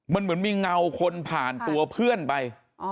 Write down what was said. มันเหมือนมีเงาคนผ่านตัวเพื่อนไป